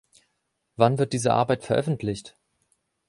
Wann wird diese Arbeit veröffentlicht?